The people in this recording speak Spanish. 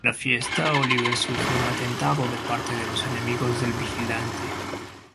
En la fiesta, Oliver sufre un atentado de parte de los enemigos del Vigilante.